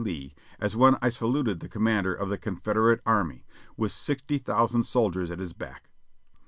Lee, as when I saluted the com mander of the Confederate Army, with sixty thousand soldiers at his back.